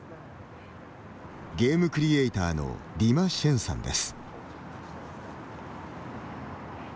ゲームクリエーターのディマ・シェンさんです。